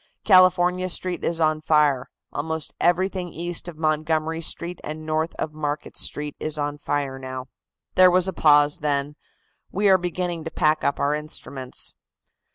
California Street is on fire. Almost everything east of Montgomery Street and north of Market Street is on fire now." There was a pause, then: "We are beginning to pack up our instruments."